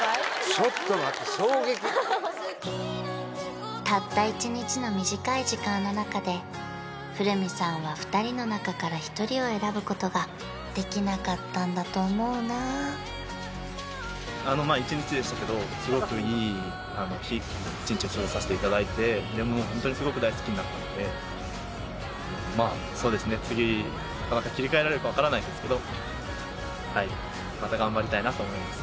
ちょっと待って衝撃たった１日の短い時間の中で古見さんは２人の中から１人を選ぶことができなかったんだと思うなあのまあ１日でしたけどすごくいい１日を過ごさせていただいてホントにすごく大好きになったんでまあそうですね次なかなか切り替えられるか分からないですけどはいまた頑張りたいなと思います